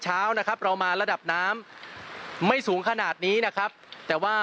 เช้านะครับเรามาระดับน้ำไม่สูงขนาดนี้นะครับแต่ว่า